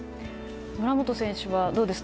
村元選手はどうですか。